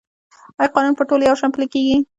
آیا قانون په ټولو یو شان پلی کیږي؟